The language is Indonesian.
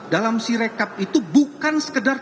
dalam si rekap itu bukan sekedar